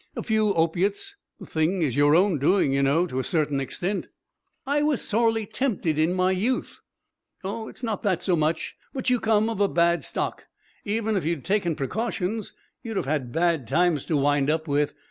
"A few opiates. The thing is your own doing, you know, to a certain extent." "I was sorely tempted in my youth." "It's not that so much. But you come of a bad stock. Even if you'd have taken precautions you'd have had bad times to wind up with.